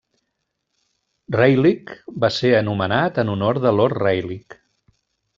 Rayleigh va ser anomenat en honor de Lord Rayleigh.